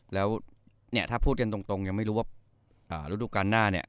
แล้วเนี่ยถ้าพูดกันตรงยังไม่รู้ว่าฤดูการหน้าเนี่ย